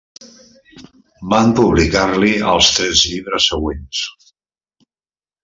Van publicar-li els tres llibres següents.